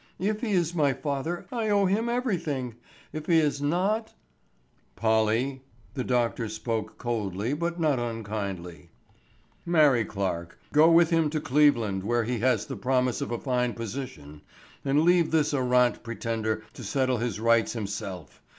If he is my father, I owe him everything; if he is not——" "Polly,"—The doctor spoke coldly but not unkindly, "marry Clarke, go with him to Cleveland where he has the promise of a fine position, and leave this arrant pretender to settle his rights himself.